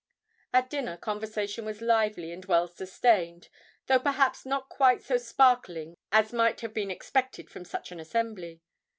At dinner conversation was lively and well sustained, though perhaps not quite so sparkling as might have been expected from such an assembly.